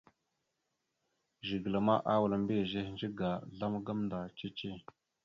Zigəla ma awal mbiyez ehədze ga azlam gamənda cici.